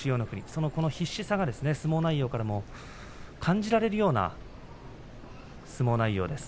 その必死さが相撲内容からも感じられるような相撲です。